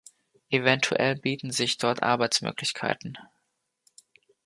Eventuell bieten sich dort Arbeitsmöglichkeiten.